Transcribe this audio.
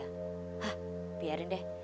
hah biarin deh